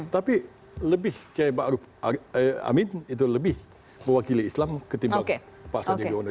tapi lebih saya amin itu lebih mewakili islam ketimbang pak sandiaga uno